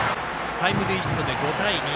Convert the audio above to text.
タイムリーヒットで５対２。